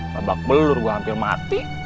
mabak belur gua hampir mati